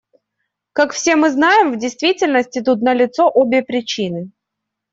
Как все мы знаем, в действительности тут налицо обе причины.